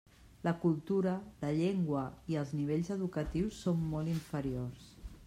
La cultura, la llengua i els nivells educatius són molt inferiors.